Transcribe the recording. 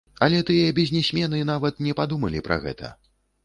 Але тыя бізнесмены нават не падумалі пра гэта.